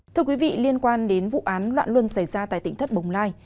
thưa quý vị liên quan đến vụ án loạn luân xảy ra tại tỉnh thất bồng lai